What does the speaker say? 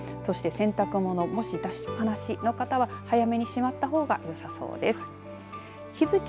そして、洗濯物もし出しっぱなしのかたは早めにしまった方がよさそうです。